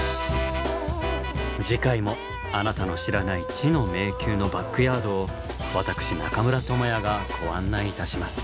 次回もあなたの知らない「知の迷宮」のバックヤードを私中村倫也がご案内いたします。